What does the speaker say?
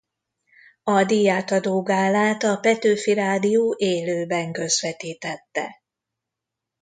A díjátadó gálát a Petőfi Rádió élőben közvetítette.